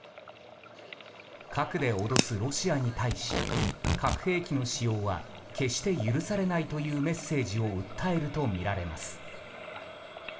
核で脅すロシアに対し核兵器の使用は決して許されないというメッセージを訴えるとみられます。